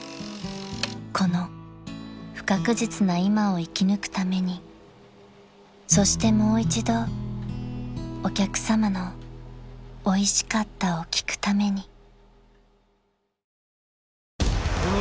［この不確実な今を生き抜くためにそしてもう一度お客さまの「おいしかった」を聞くために］